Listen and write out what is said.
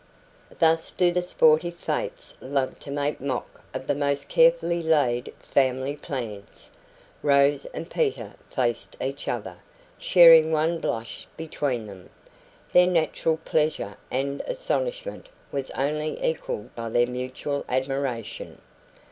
Thus do the sportive Fates love to make mock of the most carefully laid family plans! Rose and Peter faced each other, sharing one blush between them. Their natural pleasure and astonishment was only equalled by their mutual admiration.